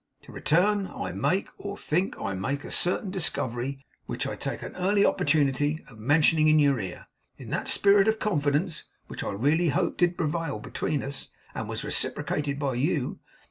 To return. I make, or think I make, a certain discovery which I take an early opportunity of mentioning in your ear, in that spirit of confidence which I really hoped did prevail between us, and was reciprocated by you.